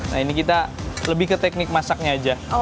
nah ini kita lebih ke teknik masaknya aja